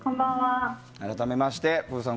改めましてぷぅさん